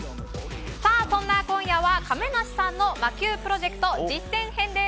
そんな今夜は亀梨さんの魔球プロジェクト実践編です。